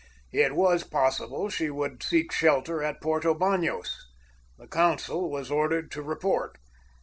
It was possible she would seek shelter at Porto Banos. The consul was ordered to report.